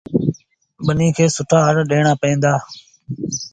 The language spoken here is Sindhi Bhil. ٻنيٚ کي سُٺآ هر ڏيٚڻآݩ پئيٚن دآ۔